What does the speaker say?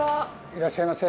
いらっしゃいませ。